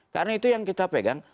karena itu yang kita pegang